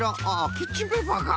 キッチンペーパーか。